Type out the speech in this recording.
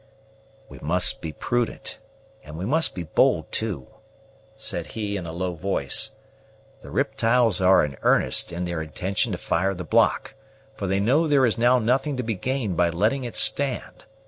"We must be prudent, and we must be bold too," said he in a low voice. "The riptyles are in earnest in their intention to fire the block; for they know there is now nothing to be gained by letting it stand.